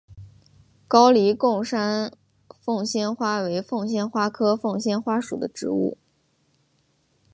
高黎贡山凤仙花为凤仙花科凤仙花属的植物。